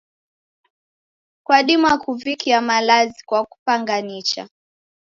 Kwadima kuvikia malazi kwa kupanga nicha.